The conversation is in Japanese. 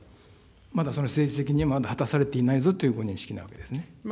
まだ、その政治責任は、まだ果たされていないぞというご認識なわけですね。